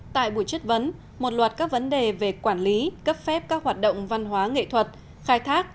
tại buổi chất vấn một loạt các vấn đề về quản lý cấp phép các hoạt động văn hóa nghệ thuật khai thác